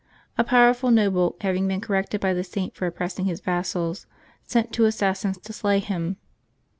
A powerful noble, having been corrected by the Saint for oppressing his vassals, sent two assassins to slay him.